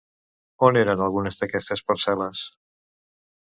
On eren algunes d'aquestes parcel·les?